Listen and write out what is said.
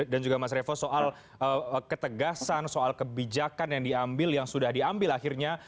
dan juga mas revo soal ketegasan soal kebijakan yang diambil yang sudah diambil akhirnya